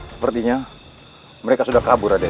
sepertinya mereka sudah kabur ade